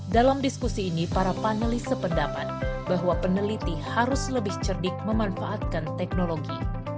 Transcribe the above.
dalam diskusi ini para panelis sependapat bahwa peneliti harus lebih cerdik memanfaatkan teknologi